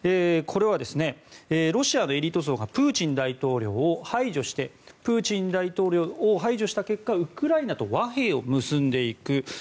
これはロシアでエリート層がプーチン大統領を排除してプーチン大統領を排除した結果ウクライナと和平を結んでいく。